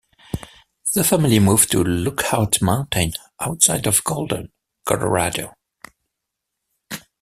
The family moved to Lookout Mountain outside of Golden, Colorado.